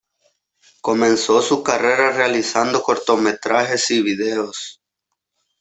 Comenzó su carrera realizando cortometrajes y vídeos.